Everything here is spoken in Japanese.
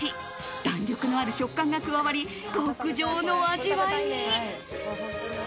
弾力のある食感が加わり極上の味わいに。